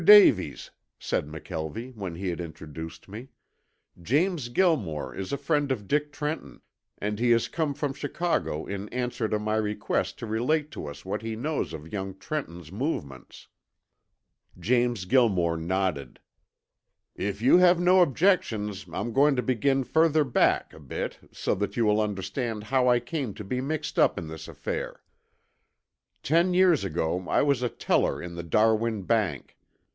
Davies," said McKelvie when he had introduced me, "James Gilmore is a friend of Dick Trenton, and he has come from Chicago in answer to my request to relate to us what he knows of young Trenton's movements." James Gilmore nodded. "If you have no objections I'm going to begin further back a bit so that you will understand how I came to be mixed up in this affair. Ten years ago I was a teller in the Darwin Bank.